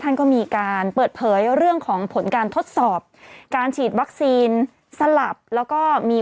ท่านก็มีการเปิดเผยเรื่องของผลการทดสอบการฉีดวัคซีนสลับแล้วก็มี